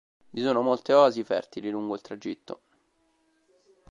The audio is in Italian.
Vi sono molte oasi fertili lungo il tragitto.